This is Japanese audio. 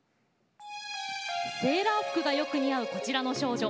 セーラー服が、よく似合うこちらの少女。